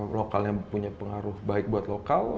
lokalnya punya pengaruh baik buat lokal